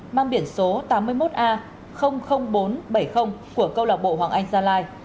mang biển số tám mươi một a bốn trăm bảy mươi của câu lạc bộ hoàng anh gia lai